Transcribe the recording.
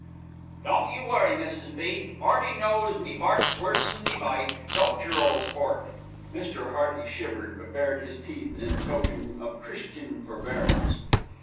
"Don't you worry, Mrs. B. 'Earty knows me bark's worse'n me bite, don't yer, ole sport?" Mr. Hearty shivered, but bared his teeth in token of Christian forbearance.